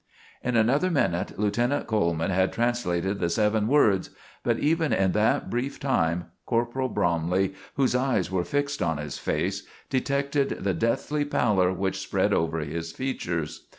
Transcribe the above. In another minute Lieutenant Coleman had translated the seven words, but even in that brief time Corporal Bromley, whose eyes were fixed on his face, detected the deathly pallor which spread over his features.